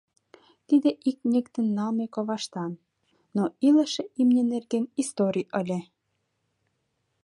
Тиде ик ньыктын налме коваштан, но илыше имне нерген историй ыле.